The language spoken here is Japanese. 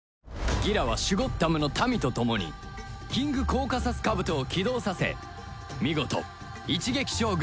ギラはシュゴッダムの民と共にキングコーカサスカブトを起動させ見事一撃将軍